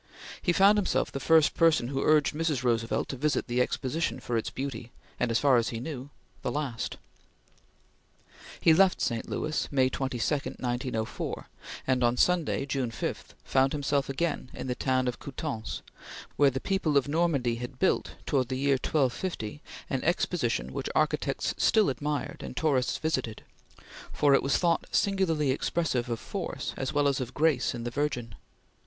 He found himself the first person who urged Mrs. Roosevelt to visit the Exposition for its beauty, and, as far as he ever knew, the last. He left St. Louis May 22, 1904, and on Sunday, June 5, found himself again in the town of Coutances, where the people of Normandy had built, towards the year 1250, an Exposition which architects still admired and tourists visited, for it was thought singularly expressive of force as well as of grace in the Virgin.